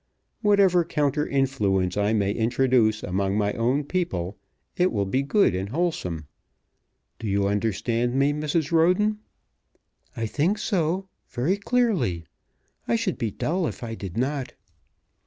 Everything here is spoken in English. Whatever counter influence I may introduce among my own people, will be good and wholesome. Do you understand me, Mrs. Roden?" "I think so; very clearly. I should be dull, if I did not."